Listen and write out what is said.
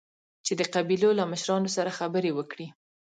چې د قبيلو له مشرانو سره خبرې وکړي.